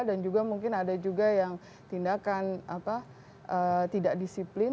dan juga mungkin ada juga yang tindakan tidak disiplin